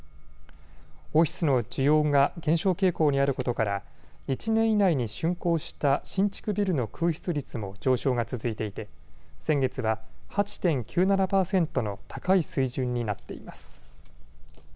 オフィスの需要が減少傾向にあることから１年以内にしゅんこうした新築ビルの空室率も上昇が続いていて先月は８．９７％の高い水準になっています。